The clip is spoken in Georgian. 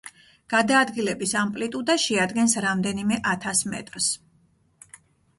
გადაადგილების ამპლიტუდა შეადგენს რამდენიმე ათას მეტრს.